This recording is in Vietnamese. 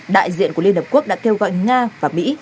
đại diện của liên hợp quốc đã kêu gọi nga và mỹ